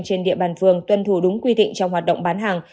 trên địa bàn phường tuân thủ đúng quy định trong hoạt động bán hàng